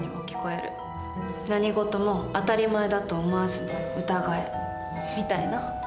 「何事も当たり前だと思わずに疑え」みたいな。